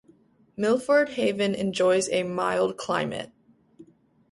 Milford Haven enjoys a mild climate.